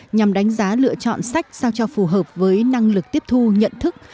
nhằm đánh giá lựa chọn sách sao cho phù hợp với năng lực tiếp thu nhận thức